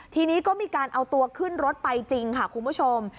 ทีนี้ก็มีการเอาตัวขึ้นรถไปจริงค่ะคุณผู้ชม